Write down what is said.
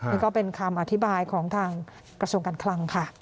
นี่ก็เป็นคำอธิบายของทางกระทรวงการคลังค่ะ